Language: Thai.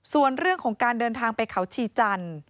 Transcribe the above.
ส่วนเรื่องของการเดินทางไปเขาชีจันทร์